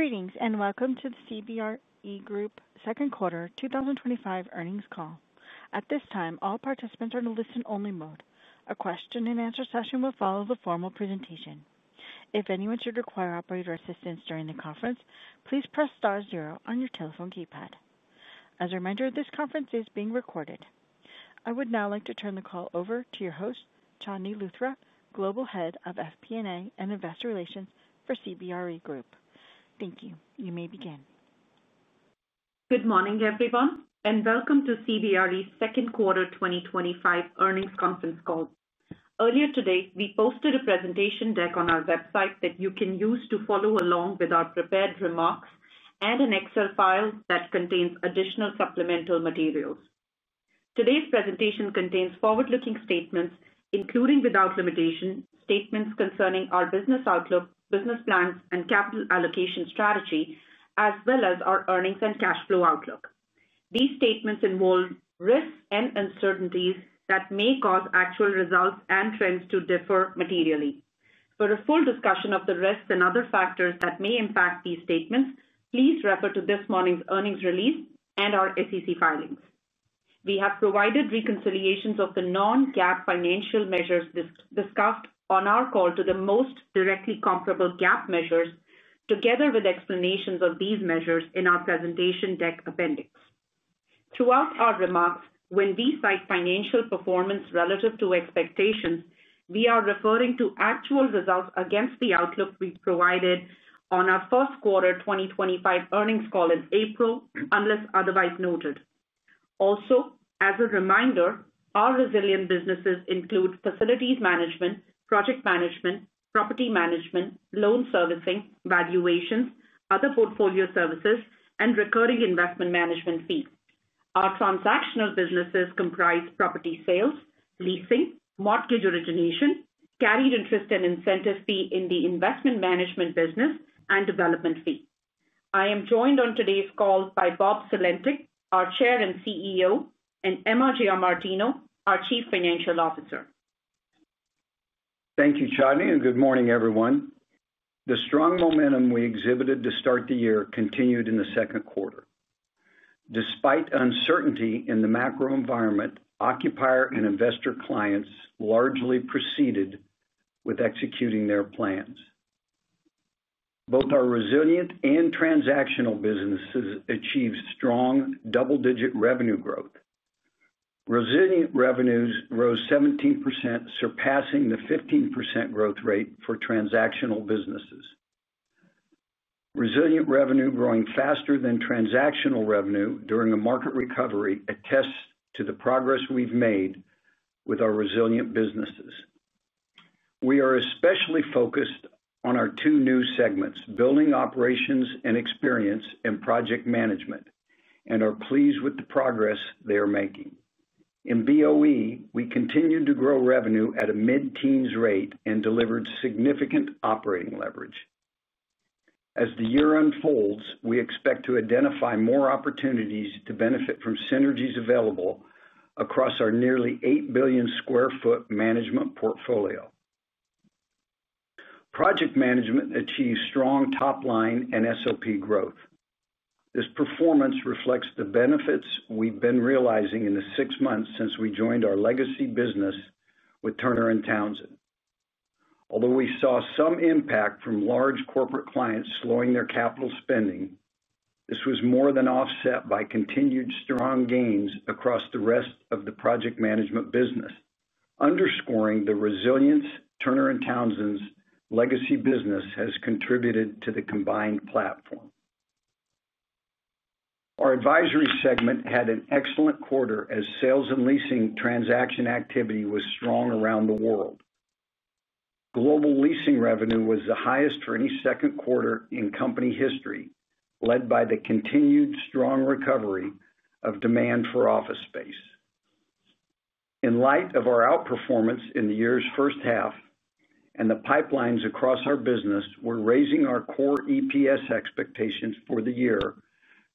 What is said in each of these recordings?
Greetings and welcome to the CBRE Group second quarter 2025 earnings call. At this time, all participants are in a listen-only mode. A question-and-answer session will follow the formal presentation. If anyone should require operator assistance during the conference, please press star zero on your telephone keypad. As a reminder, this conference is being recorded. I would now like to turn the call over to your host, Chandni Luthra, Global Head of FP&A and Investor Relations for CBRE Group. Thank you. You may begin. Good morning, everyone, and welcome to CBRE's second quarter 2025 earnings conference call. Earlier today, we posted a presentation deck on our website that you can use to follow along with our prepared remarks and an Excel file that contains additional supplemental materials. Today's presentation contains forward-looking statements, including without limitation statements concerning our business outlook, business plans, and capital allocation strategy, as well as our earnings and cash flow outlook. These statements involve risks and uncertainties that may cause actual results and trends to differ materially. For a full discussion of the risks and other factors that may impact these statements, please refer to this morning's earnings release and our SEC filings. We have provided reconciliations of the non-GAAP financial measures discussed on our call to the most directly comparable GAAP measures, together with explanations of these measures in our presentation deck appendix. Throughout our remarks, when we cite financial performance relative to expectations, we are referring to actual results against the outlook we provided on our first quarter 2025 earnings call in April, unless otherwise noted. Also, as a reminder, our resilient businesses include facilities management, Project Management, property management, loan servicing, valuations, other portfolio services, and recurring Investment Management fees. Our transactional businesses comprise property sales, leasing, mortgage origination, carried interest and incentive fee in the Investment Management Business, and development fee. I am joined on today's call by Bob Sulentic, our Chair and CEO, and Emma Giamartino, our Chief Financial Officer. Thank you, Chandni, and good morning, everyone. The strong momentum we exhibited to start the year continued in the second quarter. Despite uncertainty in the macro environment, occupier and investor clients largely proceeded with executing their plans. Both our resilient and transactional businesses achieved strong double-digit revenue growth. Resilient revenues rose 17%, surpassing the 15% growth rate for transactional businesses. Resilient revenue growing faster than transactional revenue during a market recovery attests to the progress we've made with our resilient businesses. We are especially focused on our two new segments, Building Operations & Experience and Project Management, and are pleased with the progress they are making. In BOE, we continued to grow revenue at a mid-teens rate and delivered significant operating leverage. As the year unfolds, we expect to identify more opportunities to benefit from synergies available across our nearly 8 billion sq ft management portfolio. Project Management achieved strong top-line and SOP growth. This performance reflects the benefits we've been realizing in the six months since we joined our legacy business with Turner & Townsend. Although we saw some impact from large corporate clients slowing their capital spending, this was more than offset by continued strong gains across the rest of the Project Management business. Underscoring the resilience Turner & Townsend's legacy business has contributed to the combined platform. Our Advisory segment had an excellent quarter as sales and leasing transaction activity was strong around the world. Global leasing revenue was the highest for any second quarter in company history, led by the continued strong recovery of demand for office space. In light of our outperformance in the year's first half and the pipelines across our business, we're raising our core EPS expectations for the year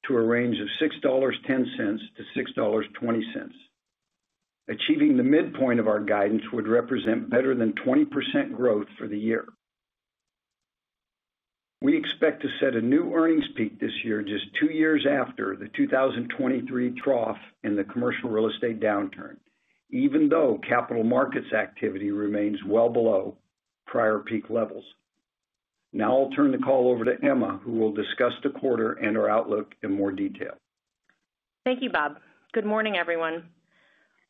to a range of $6.10-$6.20. Achieving the midpoint of our guidance would represent better than 20% growth for the year. We expect to set a new earnings peak this year just two years after the 2023 trough in the commercial real estate downturn, even though capital markets activity remains well below prior peak levels. Now I'll turn the call over to Emma, who will discuss the quarter and our outlook in more detail. Thank you, Bob. Good morning, everyone.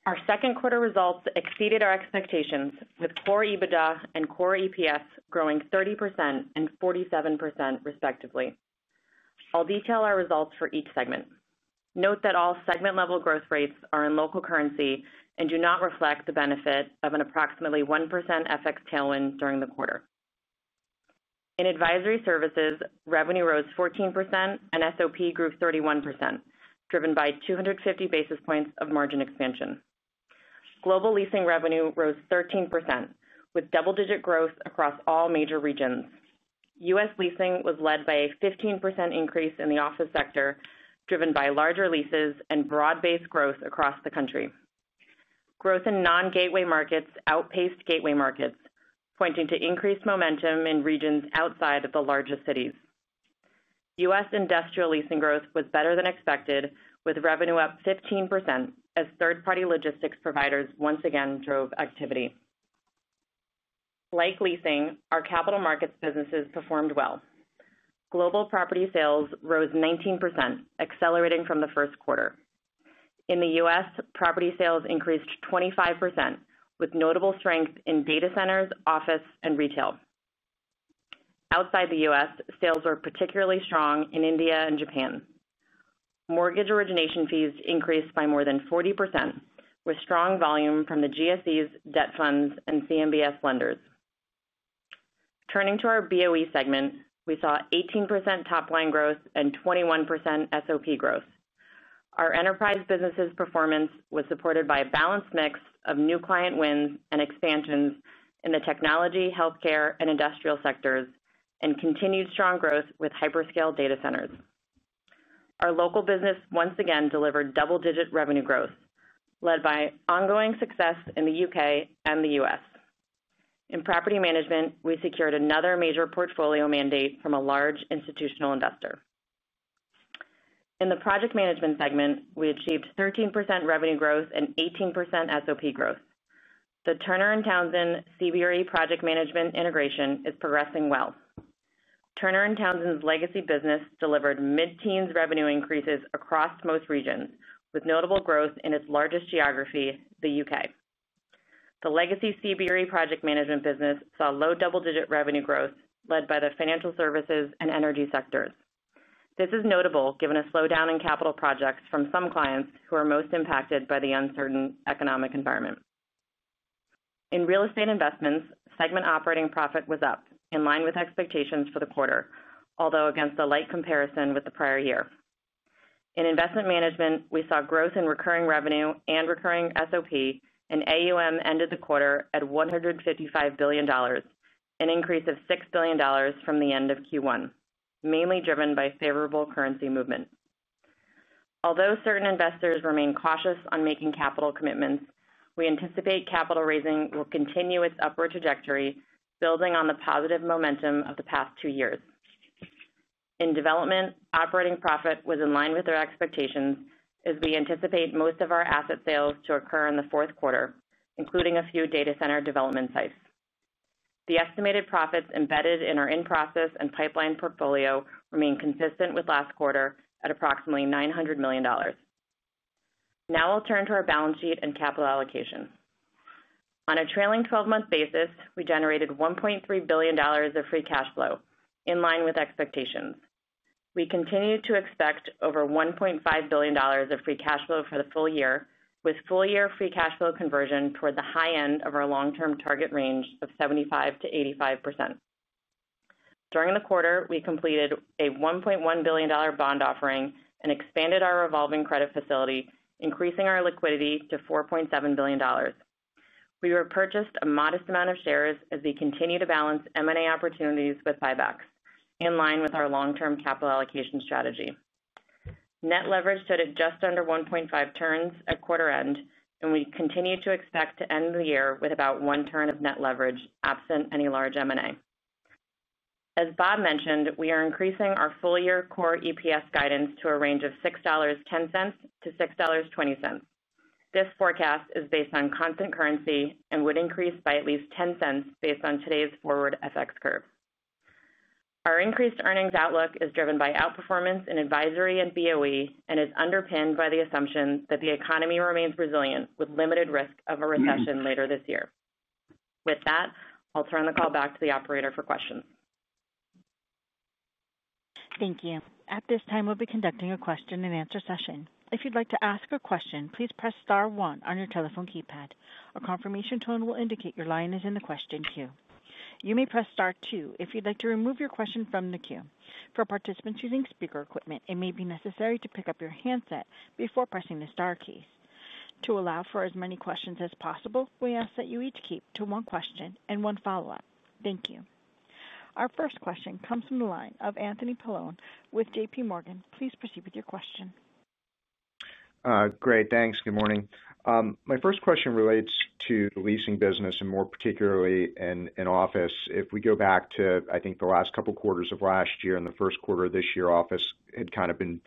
Our second quarter results exceeded our expectations, with core EBITDA and core EPS growing 30% and 47%, respectively. I'll detail our results for each segment. Note that all segment-level growth rates are in local currency and do not reflect the benefit of an approximately 1% FX tailwind during the quarter. In Advisory Services, revenue rose 14% and SOP grew 31%, driven by 250 basis points of margin expansion. Global leasing revenue rose 13%, with double-digit growth across all major regions. U.S. leasing was led by a 15% increase in the office sector, driven by larger leases and broad-based growth across the country. Growth in non-gateway markets outpaced gateway markets, pointing to increased momentum in regions outside of the largest cities. U.S. industrial leasing growth was better than expected, with revenue up 15% as third-party logistics providers once again drove activity. Like leasing, our capital markets businesses performed well. Global property sales rose 19%, accelerating from the first quarter. In the U.S., property sales increased 25%, with notable strength in data centers, office, and retail. Outside the U.S., sales were particularly strong in India and Japan. Mortgage origination fees increased by more than 40%, with strong volume from the GSEs, debt funds, and CMBS lenders. Turning to our BOE segment, we saw 18% top-line growth and 21% SOP growth. Our Enterprise businesses' performance was supported by a balanced mix of new client wins and expansions in the technology, healthcare, and industrial sectors, and continued strong growth with hyperscale data centers. Our local business once again delivered double-digit revenue growth, led by ongoing success in the U.K. and the U.S. In Property Management, we secured another major portfolio mandate from a large institutional investor. In the Project Management segment, we achieved 13% revenue growth and 18% SOP growth. The Turner & Townsend CBRE Project Management integration is progressing well. Turner & Townsend's legacy business delivered mid-teens revenue increases across most regions, with notable growth in its largest geography, the U.K. The legacy CBRE Project Management business saw low double-digit revenue growth, led by the financial services and energy sectors. This is notable, given a slowdown in capital projects from some clients who are most impacted by the uncertain economic environment. In Real Estate Investments, segment operating profit was up, in line with expectations for the quarter, although against a light comparison with the prior year. In Investment Management, we saw growth in recurring revenue and recurring SOP, and AUM ended the quarter at $155 billion, an increase of $6 billion from the end of Q1, mainly driven by favorable currency movement. Although certain investors remain cautious on making capital commitments, we anticipate capital raising will continue its upward trajectory, building on the positive momentum of the past two years. In development, operating profit was in line with our expectations, as we anticipate most of our asset sales to occur in the fourth quarter, including a few data center development sites. The estimated profits embedded in our in-process and pipeline portfolio remain consistent with last quarter at approximately $900 million. Now I'll turn to our balance sheet and capital allocation. On a trailing 12-month basis, we generated $1.3 billion of free cash flow, in line with expectations. We continue to expect over $1.5 billion of free cash flow for the full year, with full-year free cash flow conversion toward the high end of our long-term target range of 75%-85%. During the quarter, we completed a $1.1 billion bond offering and expanded our revolving credit facility, increasing our liquidity to $4.7 billion. We repurchased a modest amount of shares as we continue to balance M&A opportunities with buybacks, in line with our long-term capital allocation strategy. Net leverage stood at just under 1.5 turns at quarter end, and we continue to expect to end the year with about one turn of net leverage, absent any large M&A. As Bob mentioned, we are increasing our full-year core EPS guidance to a range of $6.10-$6.20. This forecast is based on constant currency and would increase by at least $0.10 based on today's forward FX curve. Our increased earnings outlook is driven by outperformance in Advisory and BOE and is underpinned by the assumption that the economy remains resilient, with limited risk of a recession later this year. With that, I'll turn the call back to the operator for questions. Thank you. At this time, we'll be conducting a question-and-answer session. If you'd like to ask a question, please press star one on your telephone keypad. A confirmation tone will indicate your line is in the question queue. You may press star two if you'd like to remove your question from the queue. For participants using speaker equipment, it may be necessary to pick up your handset before pressing the star keys. To allow for as many questions as possible, we ask that you each keep to one question and one follow-up. Thank you. Our first question comes from the line of Anthony Paolone with JPMorgan. Please proceed with your question. Great. Thanks. Good morning. My first question relates to leasing business, and more particularly in office. If we go back to, I think, the last couple quarters of last year and the first quarter of this year, office had kind of been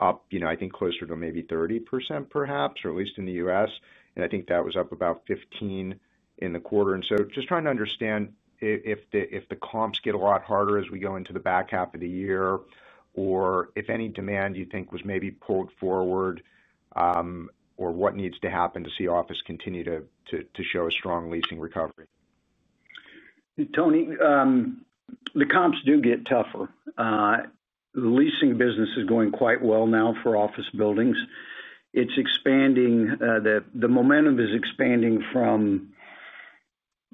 up, I think, closer to maybe 30%, perhaps, or at least in the U.S., and I think that was up about 15% in the quarter. Just trying to understand if the comps get a lot harder as we go into the back half of the year, or if any demand you think was maybe pulled forward. Or what needs to happen to see office continue to show a strong leasing recovery. Tony. The comps do get tougher. The leasing business is going quite well now for office buildings. The momentum is expanding from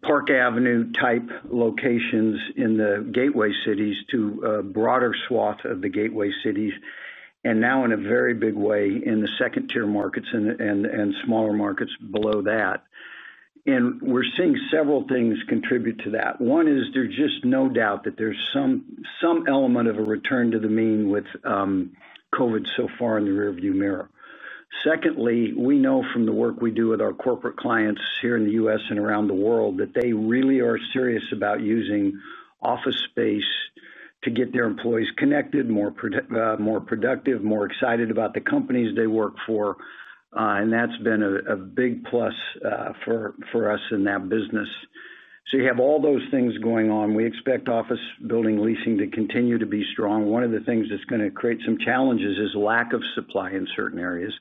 Park Avenue-type locations in the gateway cities to a broader swath of the gateway cities, and now in a very big way in the second-tier markets and smaller markets below that. We're seeing several things contribute to that. One is there's just no doubt that there's some element of a return to the mean with COVID so far in the rearview mirror. Secondly, we know from the work we do with our corporate clients here in the U.S. and around the world that they really are serious about using office space to get their employees connected, more productive, more excited about the companies they work for. That's been a big plus for us in that business. You have all those things going on. We expect office building leasing to continue to be strong. One of the things that's going to create some challenges is lack of supply in certain areas.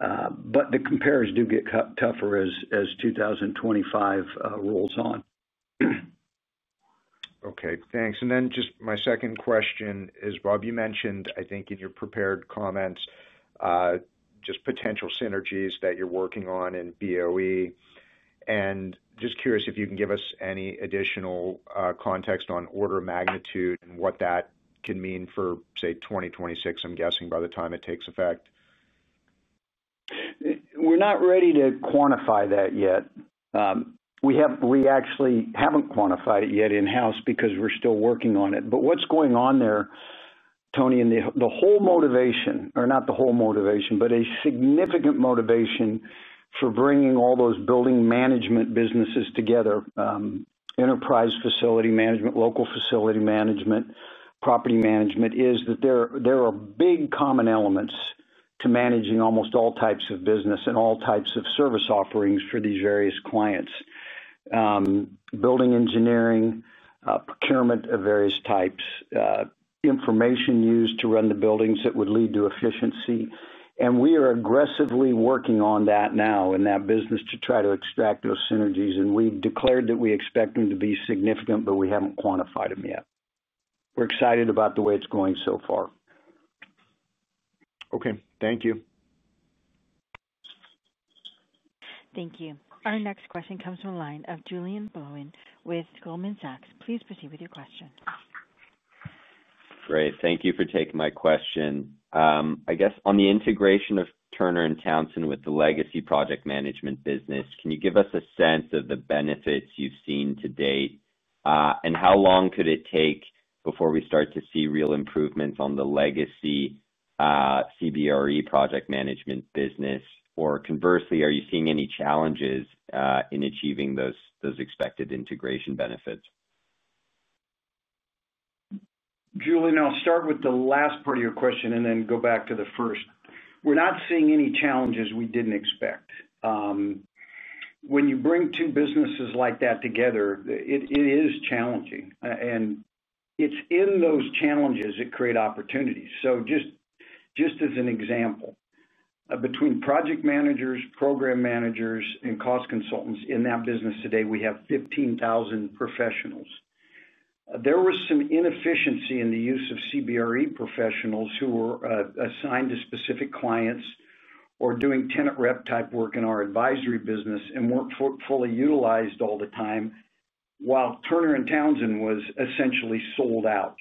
The compares do get tougher as 2025 rolls on. Okay. Thanks. And then just my second question is, Bob, you mentioned, I think, in your prepared comments, just potential synergies that you're working on in BOE. Just curious if you can give us any additional context on order magnitude and what that can mean for, say, 2026, I'm guessing, by the time it takes effect. We're not ready to quantify that yet. We actually haven't quantified it yet in-house because we're still working on it. What's going on there, Tony, and the whole motivation—or not the whole motivation, but a significant motivation for bringing all those building management businesses together, enterprise facility management, local facility management, property management—is that there are big common elements to managing almost all types of business and all types of service offerings for these various clients. Building engineering, procurement of various types, information used to run the buildings that would lead to efficiency. We are aggressively working on that now in that business to try to extract those synergies. We've declared that we expect them to be significant, but we haven't quantified them yet. We're excited about the way it's going so far. Okay. Thank you. Thank you. Our next question comes from the line of Julien Blouin with Goldman Sachs. Please proceed with your question. Great. Thank you for taking my question. I guess on the integration of Turner & Townsend with the legacy Project Management business, can you give us a sense of the benefits you've seen to date, and how long could it take before we start to see real improvements on the legacy CBRE Project Management business? Or conversely, are you seeing any challenges in achieving those expected integration benefits? Julien, I'll start with the last part of your question and then go back to the first. We're not seeing any challenges we didn't expect. When you bring two businesses like that together, it is challenging. It is in those challenges that create opportunities. Just as an example, between project managers, program managers, and cost consultants in that business today, we have 15,000 professionals. There was some inefficiency in the use of CBRE professionals who were assigned to specific clients or doing tenant rep type work in our Advisory business and weren't fully utilized all the time, while Turner & Townsend was essentially sold out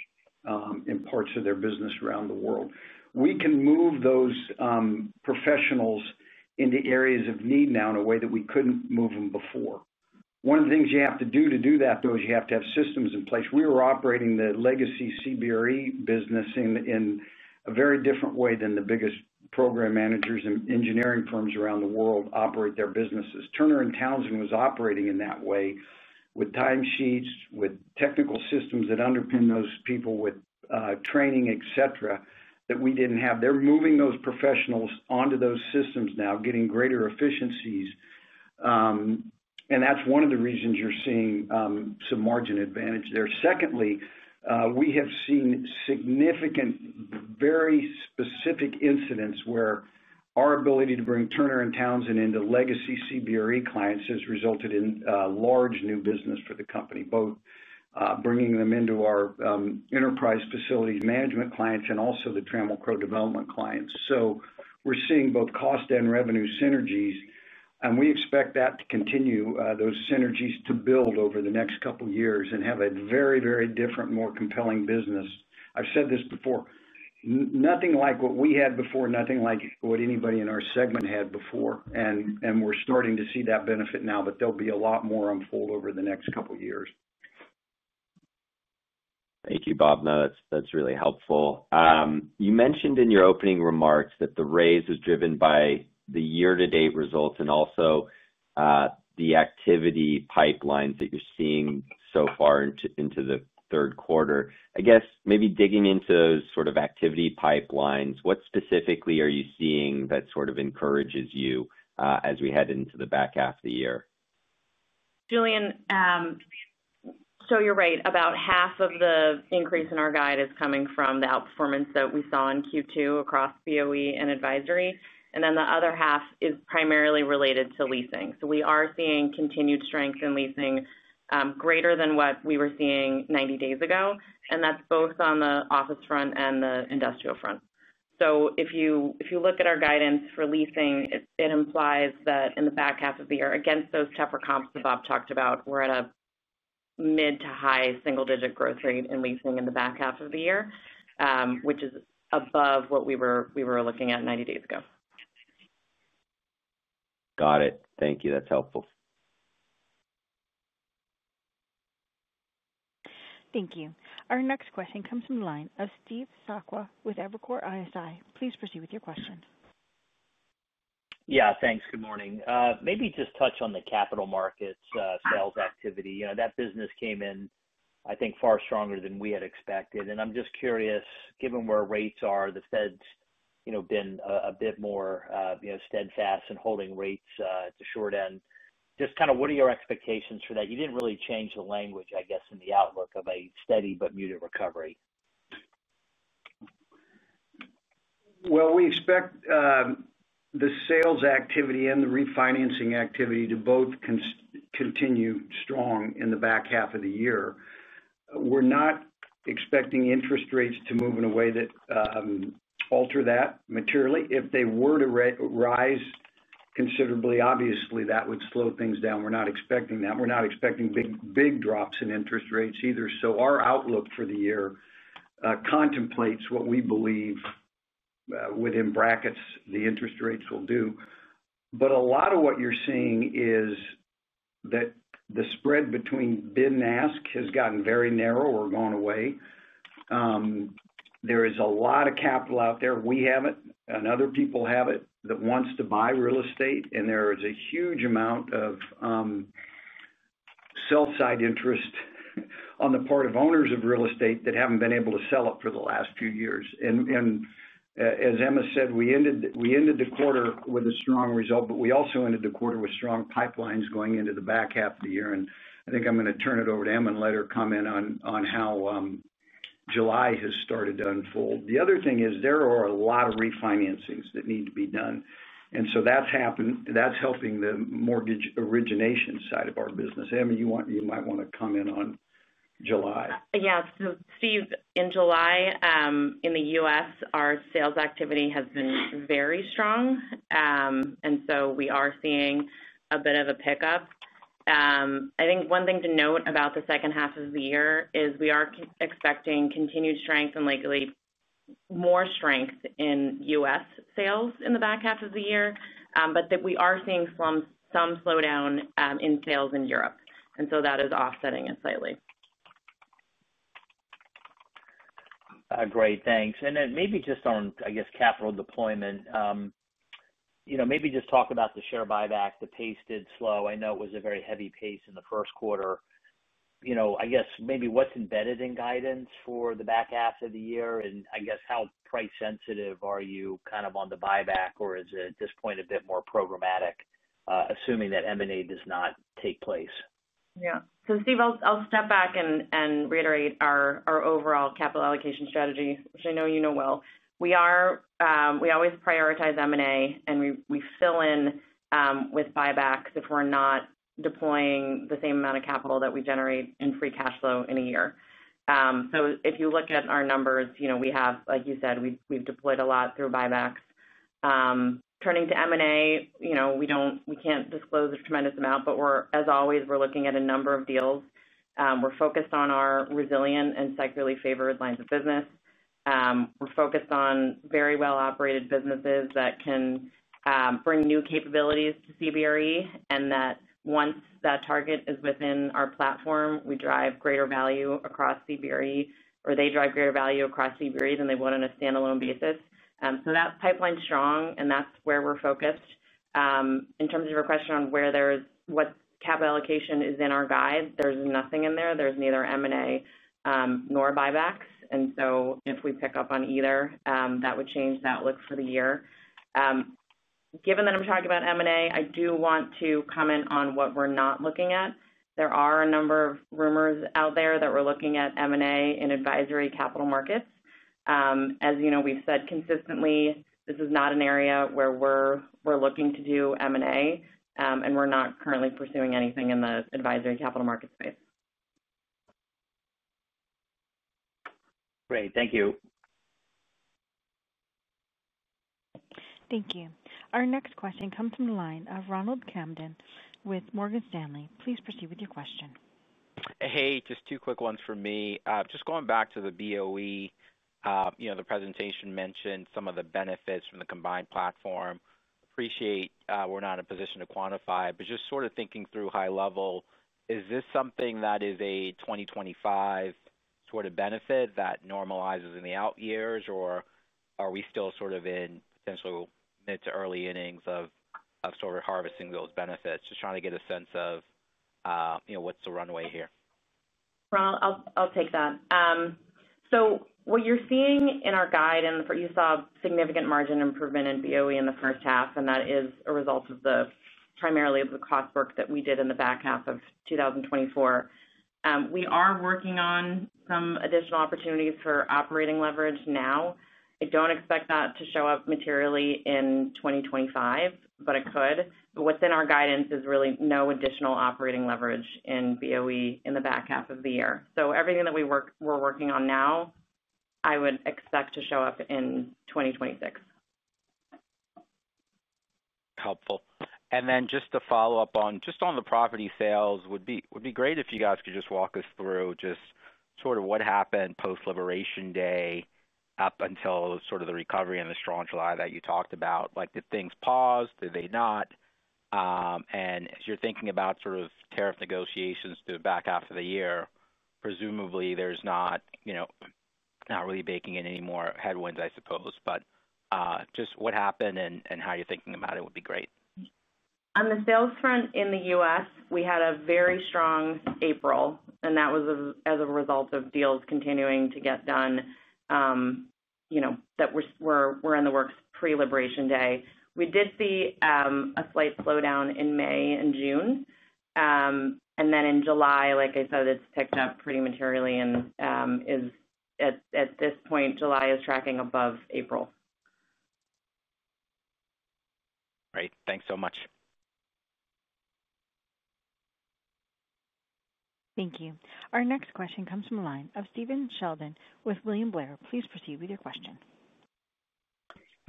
in parts of their business around the world. We can move those professionals into areas of need now in a way that we couldn't move them before. One of the things you have to do to do that, though, is you have to have systems in place. We were operating the legacy CBRE business in a very different way than the biggest program managers and engineering firms around the world operate their businesses. Turner & Townsend was operating in that way, with time sheets, with technical systems that underpin those people, with training, etc., that we didn't have. They're moving those professionals onto those systems now, getting greater efficiencies. That's one of the reasons you're seeing some margin advantage there. Secondly, we have seen significant, very specific incidents where our ability to bring Turner & Townsend into legacy CBRE clients has resulted in large new business for the company, both bringing them into our enterprise facilities management clients and also the Trammell Crow development clients. We're seeing both cost and revenue synergies. We expect that to continue, those synergies to build over the next couple of years and have a very, very different, more compelling business. I've said this before. Nothing like what we had before, nothing like what anybody in our segment had before. We're starting to see that benefit now, but there will be a lot more unfold over the next couple of years. Thank you, Bob. No, that's really helpful. You mentioned in your opening remarks that the raise is driven by the year-to-date results and also the activity pipelines that you're seeing so far into the third quarter. I guess maybe digging into those sort of activity pipelines, what specifically are you seeing that sort of encourages you as we head into the back half of the year? Julien. You are right. About half of the increase in our guide is coming from the outperformance that we saw in Q2 across BOE and Advisory. The other half is primarily related to leasing. We are seeing continued strength in leasing, greater than what we were seeing 90 days ago. That is both on the office front and the industrial front. If you look at our guidance for leasing, it implies that in the back half of the year, against those tougher comps that Bob talked about, we are at a mid to high single-digit growth rate in leasing in the back half of the year, which is above what we were looking at 90 days ago. Got it. Thank you. That's helpful. Thank you. Our next question comes from the line of Steve Sakwa with Evercore ISI. Please proceed with your question. Yeah. Thanks. Good morning. Maybe just touch on the capital markets sales activity. That business came in, I think, far stronger than we had expected. And I'm just curious, given where rates are, the Fed's been a bit more steadfast in holding rates to short end. Just kind of what are your expectations for that? You did not really change the language, I guess, in the outlook of a steady but muted recovery. We expect the sales activity and the refinancing activity to both continue strong in the back half of the year. We are not expecting interest rates to move in a way that would alter that materially. If they were to rise considerably, obviously, that would slow things down. We are not expecting that. We are not expecting big drops in interest rates either. Our outlook for the year contemplates what we believe, within brackets, the interest rates will do. A lot of what you are seeing is that the spread between bid and ask has gotten very narrow or gone away. There is a lot of capital out there. We have it, and other people have it, that wants to buy real estate. There is a huge amount of sell-side interest on the part of owners of real estate that have not been able to sell it for the last few years. As Emma said, we ended the quarter with a strong result, but we also ended the quarter with strong pipelines going into the back half of the year. I think I am going to turn it over to Emma and let her comment on how July has started to unfold. The other thing is there are a lot of refinancings that need to be done, and that is helping the mortgage origination side of our business. Emma, you might want to comment on July. Yeah. Steve, in July, in the U.S., our sales activity has been very strong. We are seeing a bit of a pickup. I think one thing to note about the second half of the year is we are expecting continued strength and likely more strength in U.S. sales in the back half of the year, but we are seeing some slowdown in sales in Europe. That is offsetting it slightly. Great. Thanks. Maybe just on, I guess, capital deployment. Maybe just talk about the share buyback. The pace did slow. I know it was a very heavy pace in the first quarter. I guess maybe what's embedded in guidance for the back half of the year and I guess how price-sensitive are you kind of on the buyback, or is it at this point a bit more programmatic, assuming that M&A does not take place? Yeah. Steve, I'll step back and reiterate our overall capital allocation strategy, which I know you know well. We always prioritize M&A, and we fill in with buybacks if we're not deploying the same amount of capital that we generate in free cash flow in a year. If you look at our numbers, like you said, we've deployed a lot through buybacks. Turning to M&A, we can't disclose a tremendous amount, but as always, we're looking at a number of deals. We're focused on our resilient and securely favored lines of business. We're focused on very well-operated businesses that can bring new capabilities to CBRE, and that once that target is within our platform, we drive greater value across CBRE, or they drive greater value across CBRE than they would on a standalone basis. That pipeline's strong, and that's where we're focused. In terms of your question on what capital allocation is in our guide, there's nothing in there. There's neither M&A nor buybacks. If we pick up on either, that would change that look for the year. Given that I'm talking about M&A, I do want to comment on what we're not looking at. There are a number of rumors out there that we're looking at M&A in advisory capital markets. As we've said consistently, this is not an area where we're looking to do M&A, and we're not currently pursuing anything in the advisory capital market space. Great. Thank you. Thank you. Our next question comes from the line of Ronald Kamdem with Morgan Stanley. Please proceed with your question. Hey, just two quick ones for me. Just going back to the BOE. The presentation mentioned some of the benefits from the combined platform. Appreciate we're not in a position to quantify, but just sort of thinking through high level, is this something that is a 2025 sort of benefit that normalizes in the out years, or are we still sort of in potential mid to early innings of sort of harvesting those benefits? Just trying to get a sense of what's the runway here. I'll take that. What you're seeing in our guide, and you saw significant margin improvement in BOE in the first half, and that is a result primarily of the cost work that we did in the back half of 2024. We are working on some additional opportunities for operating leverage now. I don't expect that to show up materially in 2025, but it could. What's in our guidance is really no additional operating leverage in BOE in the back half of the year. Everything that we're working on now, I would expect to show up in 2026. Helpful. Just to follow up on the property sales, would be great if you guys could just walk us through just sort of what happened post-Liberation Day up until sort of the recovery and the strong July that you talked about. Did things pause? Did they not? As you're thinking about sort of tariff negotiations to the back half of the year, presumably there's not really baking in any more headwinds, I suppose. Just what happened and how you're thinking about it would be great. On the sales front in the U.S., we had a very strong April, and that was as a result of deals continuing to get done that were in the works pre-Liberation Day. We did see a slight slowdown in May and June. In July, like I said, it has picked up pretty materially. At this point, July is tracking above April. Great. Thanks so much. Thank you. Our next question comes from the line of Stephen Sheldon with William Blair. Please proceed with your question.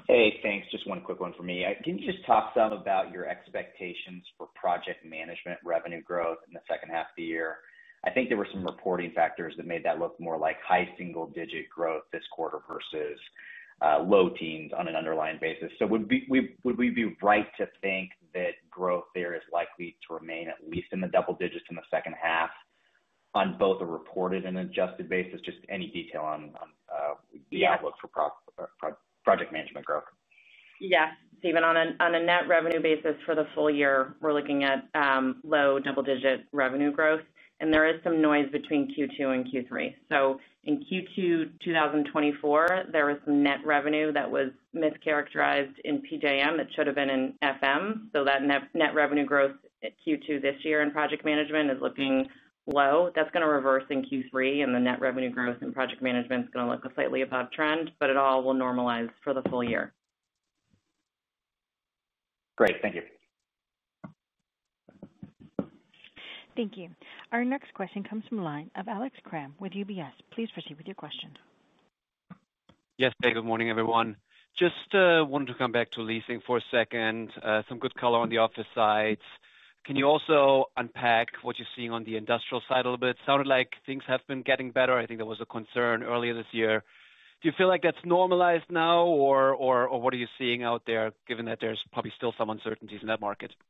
Hey, thanks. Just one quick one for me. Can you just talk some about your expectations for Project Management revenue growth in the second half of the year? I think there were some reporting factors that made that look more like high single-digit growth this quarter versus low teens on an underlying basis. So would we be right to think that growth there is likely to remain at least in the double digits in the second half on both a reported and adjusted basis? Just any detail on the outlook for Project Management growth? Yes. Stephen, on a net revenue basis for the full year, we're looking at low double-digit revenue growth. There is some noise between Q2 and Q3. In Q2 2024, there was some net revenue that was mischaracterized in PJM that should have been in FM. That net revenue growth at Q2 this year in Project Management is looking low. That's going to reverse in Q3, and the net revenue growth in Project Management is going to look slightly above trend, but it all will normalize for the full year. Great. Thank you. Thank you. Our next question comes from the line of Alex Kramm with UBS. Please proceed with your question. Yes, hey, good morning, everyone. Just wanted to come back to leasing for a second. Some good color on the office side. Can you also unpack what you're seeing on the industrial side a little bit? Sounded like things have been getting better. I think there was a concern earlier this year. Do you feel like that's normalized now, or what are you seeing out there, given that there's probably still some uncertainties in that market? Yeah,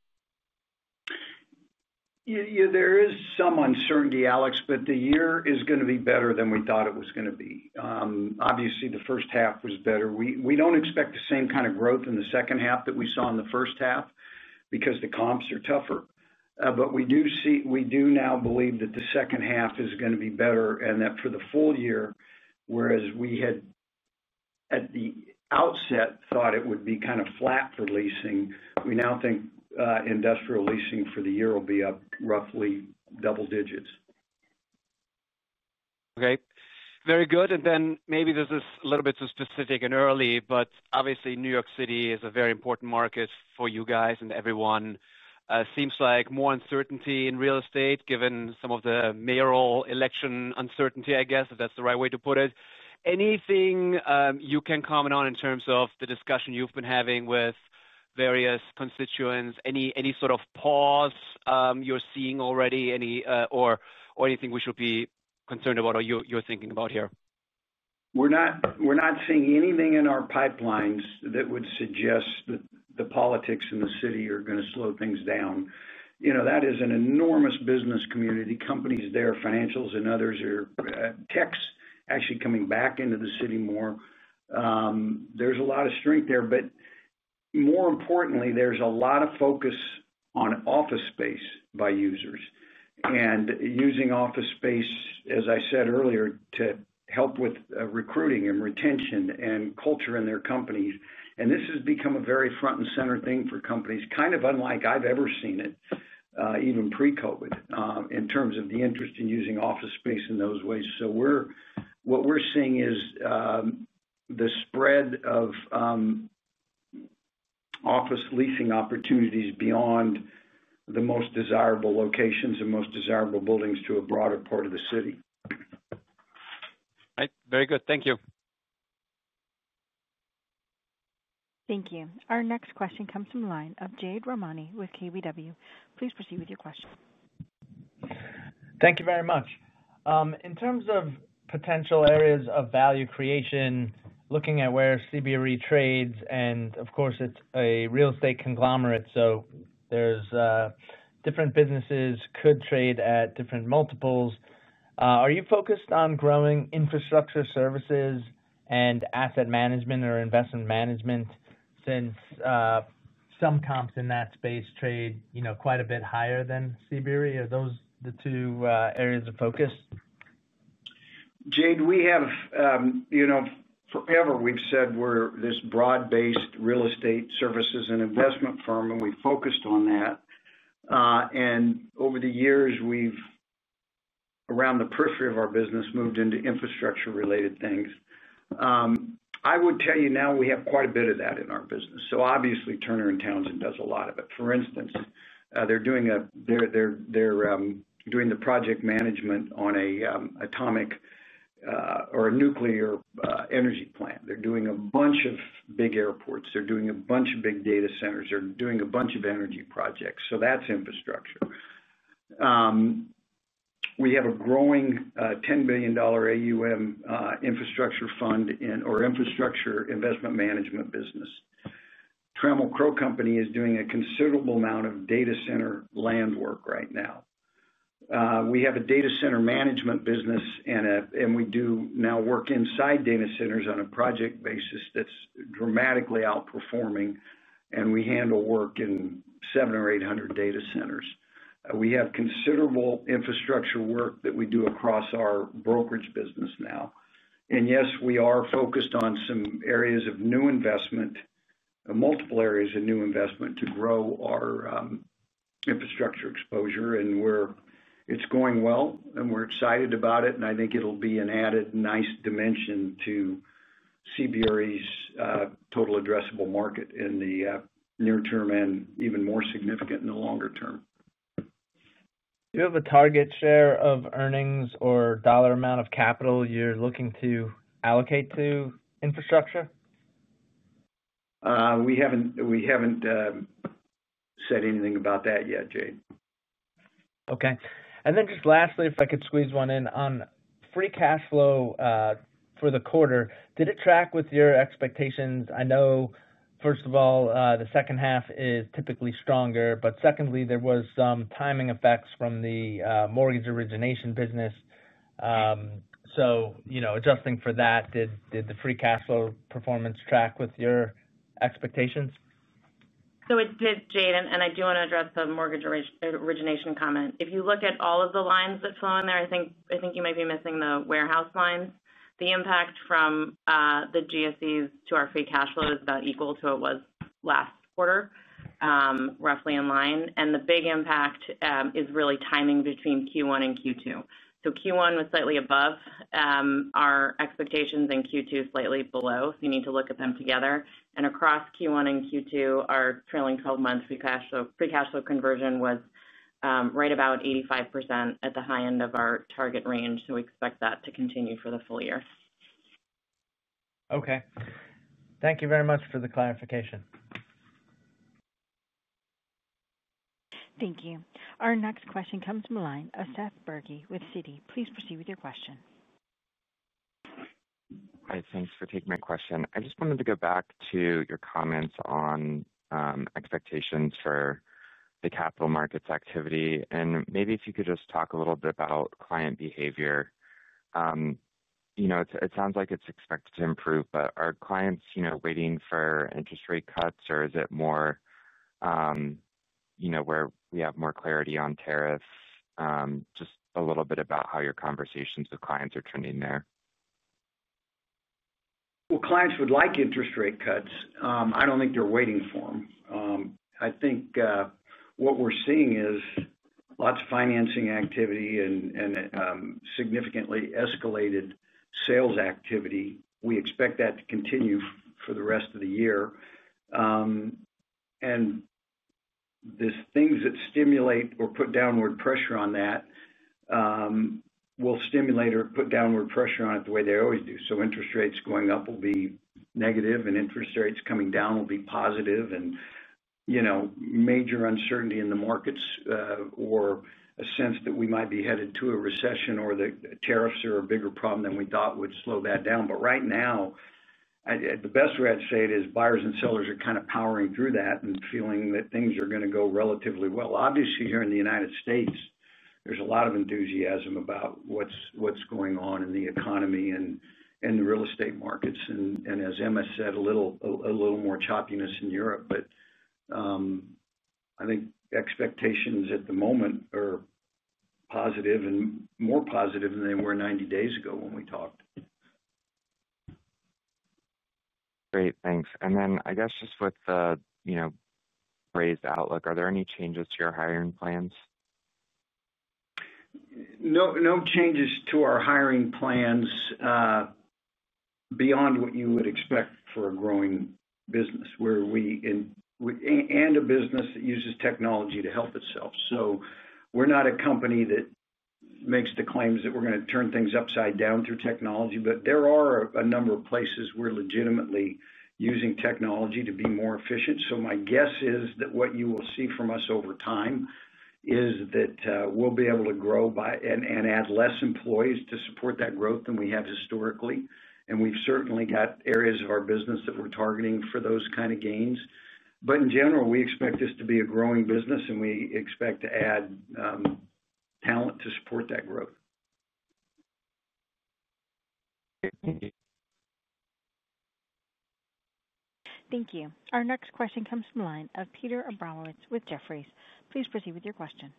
there is some uncertainty, Alex, but the year is going to be better than we thought it was going to be. Obviously, the first half was better. We do not expect the same kind of growth in the second half that we saw in the first half because the comps are tougher. We do now believe that the second half is going to be better and that for the full year, whereas we had at the outset thought it would be kind of flat for leasing, we now think industrial leasing for the year will be up roughly double digits. Okay. Very good. Maybe this is a little bit too specific and early, but obviously, New York City is a very important market for you guys and everyone. Seems like more uncertainty in real estate, given some of the mayoral election uncertainty, I guess, if that's the right way to put it. Anything you can comment on in terms of the discussion you've been having with various constituents? Any sort of pause you're seeing already, or anything we should be concerned about or you're thinking about here? We're not seeing anything in our pipelines that would suggest that the politics in the city are going to slow things down. That is an enormous business community. Companies there, financials and others, are techs actually coming back into the city more. There's a lot of strength there. More importantly, there's a lot of focus on office space by users. And using office space, as I said earlier, to help with recruiting and retention and culture in their companies. This has become a very front-and-center thing for companies, kind of unlike I've ever seen it, even pre-COVID, in terms of the interest in using office space in those ways. What we're seeing is the spread of office leasing opportunities beyond the most desirable locations and most desirable buildings to a broader part of the city. All right. Very good. Thank you. Thank you. Our next question comes from the line of Jade Rahmani with KBW. Please proceed with your question. Thank you very much. In terms of potential areas of value creation, looking at where CBRE trades, and of course, it's a real estate conglomerate, so there are different businesses that could trade at different multiples. Are you focused on growing infrastructure services and asset management or Investment Management? Since some comps in that space trade quite a bit higher than CBRE, are those the two areas of focus? Jade, we have. Forever, we've said we're this broad-based real estate services and investment firm, and we focused on that. Over the years, we've, around the periphery of our business, moved into infrastructure-related things. I would tell you now we have quite a bit of that in our business. Obviously, Turner & Townsend does a lot of it. For instance, they're doing the Project Management on an atomic or a nuclear energy plant. They're doing a bunch of big airports. They're doing a bunch of big data centers. They're doing a bunch of energy projects. That is infrastructure. We have a growing $10 billion AUM infrastructure fund or infrastructure Investment Management business. Trammell Crow Company is doing a considerable amount of data center land work right now. We have a data center management business, and we do now work inside data centers on a project basis that's dramatically outperforming, and we handle work in 700 or 800 data centers. We have considerable infrastructure work that we do across our brokerage business now. Yes, we are focused on some areas of new investment, multiple areas of new investment to grow our infrastructure exposure. It's going well, and we're excited about it, and I think it'll be an added nice dimension to CBRE's total addressable market in the near term and even more significant in the longer term. Do you have a target share of earnings or dollar amount of capital you're looking to allocate to infrastructure? We haven't said anything about that yet, Jade. Okay. And then just lastly, if I could squeeze one in, on free cash flow for the quarter, did it track with your expectations? I know, first of all, the second half is typically stronger, but secondly, there were some timing effects from the mortgage origination business. So adjusting for that, did the free cash flow performance track with your expectations? It did, Jade. I do want to address the mortgage origination comment. If you look at all of the lines that flow in there, I think you might be missing the warehouse lines. The impact from the GSEs to our free cash flow is about equal to what it was last quarter, roughly in line. The big impact is really timing between Q1 and Q2. Q1 was slightly above our expectations and Q2 slightly below. You need to look at them together. Across Q1 and Q2, our trailing 12 months free cash flow conversion was right about 85% at the high end of our target range. We expect that to continue for the full year. Okay. Thank you very much for the clarification. Thank you. Our next question comes from the line of Seth Bergey with Citi. Please proceed with your question. All right. Thanks for taking my question. I just wanted to go back to your comments on expectations for the capital markets activity. And maybe if you could just talk a little bit about client behavior. It sounds like it's expected to improve, but are clients waiting for interest rate cuts, or is it more where we have more clarity on tariffs? Just a little bit about how your conversations with clients are trending there. Clients would like interest rate cuts. I don't think they're waiting for them. I think what we're seeing is lots of financing activity and significantly escalated sales activity. We expect that to continue for the rest of the year. There are things that stimulate or put downward pressure on that. They will stimulate or put downward pressure on it the way they always do. Interest rates going up will be negative, and interest rates coming down will be positive. Major uncertainty in the markets or a sense that we might be headed to a recession or that tariffs are a bigger problem than we thought would slow that down. Right now, the best way I'd say it is buyers and sellers are kind of powering through that and feeling that things are going to go relatively well. Obviously, here in the United States, there's a lot of enthusiasm about what's going on in the economy and the real estate markets. As Emma said, a little more choppiness in Europe. I think expectations at the moment are positive and more positive than they were 90 days ago when we talked. Great. Thanks. I guess just with the raised outlook, are there any changes to your hiring plans? No changes to our hiring plans. Beyond what you would expect for a growing business. And a business that uses technology to help itself. We are not a company that makes the claims that we are going to turn things upside down through technology, but there are a number of places we are legitimately using technology to be more efficient. My guess is that what you will see from us over time is that we will be able to grow and add fewer employees to support that growth than we have historically. We have certainly got areas of our business that we are targeting for those kinds of gains. In general, we expect this to be a growing business, and we expect to add talent to support that growth. Thank you. Our next question comes from the line of Peter Abramowitz with Jefferies. Please proceed with your question.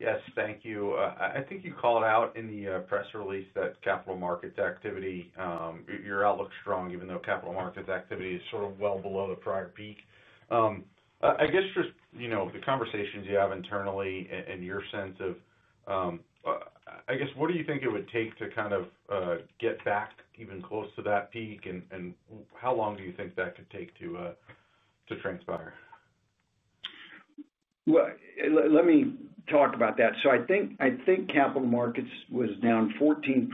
Yes, thank you. I think you called out in the press release that capital market activity, your outlook's strong, even though capital market activity is sort of well below the prior peak. I guess just the conversations you have internally and your sense of, I guess, what do you think it would take to kind of get back even close to that peak? How long do you think that could take to transpire? Let me talk about that. I think capital markets was down 14%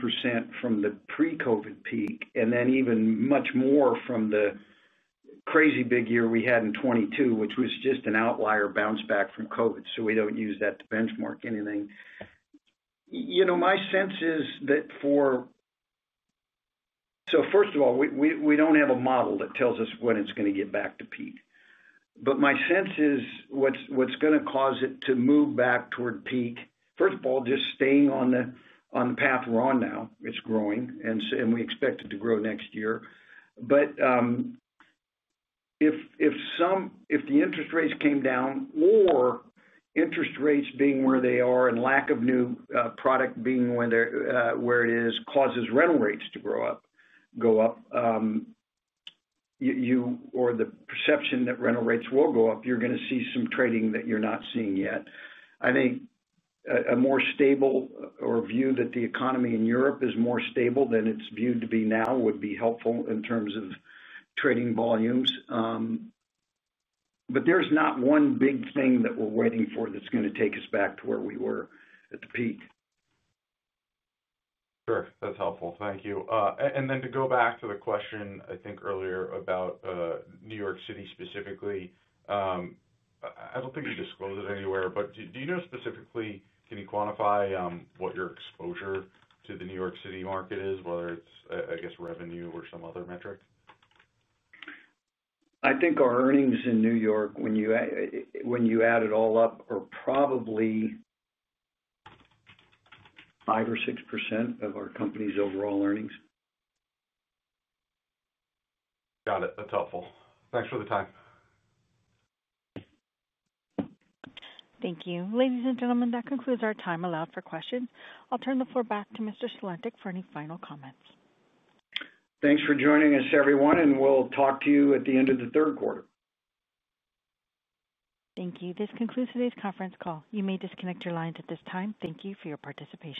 from the pre-COVID peak, and then even much more from the crazy big year we had in 2022, which was just an outlier bounce back from COVID. We do not use that to benchmark anything. My sense is that, first of all, we do not have a model that tells us when it is going to get back to peak. My sense is what is going to cause it to move back toward peak, first of all, just staying on the path we are on now, it is growing, and we expect it to grow next year. If the interest rates came down, or interest rates being where they are and lack of new product being where it is causes rental rates to grow up, or the perception that rental rates will go up, you are going to see some trading that you are not seeing yet. I think a more stable or view that the economy in Europe is more stable than it is viewed to be now would be helpful in terms of trading volumes. There is not one big thing that we are waiting for that is going to take us back to where we were at the peak. Sure. That's helpful. Thank you. To go back to the question, I think, earlier about New York City specifically. I don't think you disclosed it anywhere, but do you know specifically, can you quantify what your exposure to the New York City market is, whether it's, I guess, revenue or some other metric? I think our earnings in New York, when you add it all up, are probably 5% or 6% of our company's overall earnings. Got it. That's helpful. Thanks for the time. Thank you. Ladies and gentlemen, that concludes our time allowed for questions. I'll turn the floor back to Mr. Sulentic for any final comments. Thanks for joining us, everyone, and we'll talk to you at the end of the third quarter. Thank you. This concludes today's conference call. You may disconnect your lines at this time. Thank you for your participation.